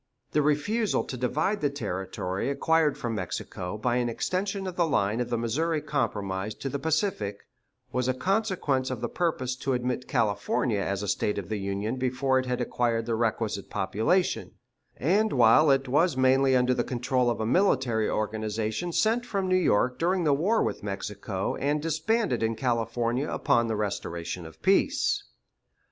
The refusal to divide the territory acquired from Mexico by an extension of the line of the Missouri Compromise to the Pacific was a consequence of the purpose to admit California as a State of the Union before it had acquired the requisite population, and while it was mainly under the control of a military organization sent from New York during the war with Mexico and disbanded in California upon the restoration of peace.